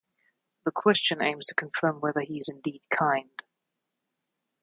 The question aims to confirm whether he is indeed kind.